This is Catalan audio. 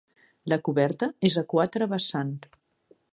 La coberta és a quatre vessant.